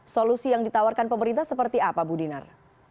solusi yang ditawarkan pemerintah seperti apa bu dinar